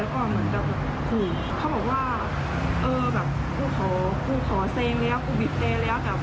แล้วก็เหมือนกับผมเขาบอกว่าเออแบบกูขอเซงแล้วกูบิดเตยแล้วแบบ